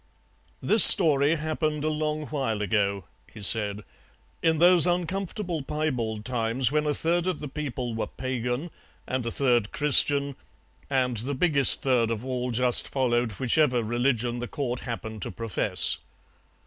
"This story happened a long while ago," he said, "in those uncomfortable piebald times when a third of the people were Pagan, and a third Christian, and the biggest third of all just followed whichever religion the Court happened to profess.